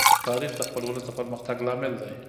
تاریخ د خپل ولس د پرمختګ لامل دی.